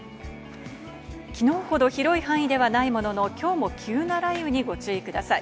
昨日ほど広い範囲ではないものの、今日も急な雷雨にご注意ください。